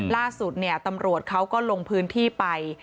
ล่าสุดตำรวจเขาก็ลงพื้นที่ไป